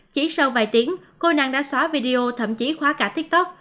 chỉ sau vài tiếng cô nang đã xóa video thậm chí khóa cả tiktok